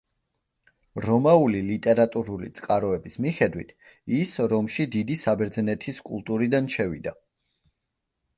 რომაული ლიტერატურული წყაროების მიხედვით ის რომში დიდი საბერძნეთის კულტურიდან შევიდა.